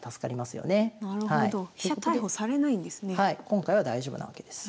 今回は大丈夫なわけです。